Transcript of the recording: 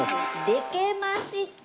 できました！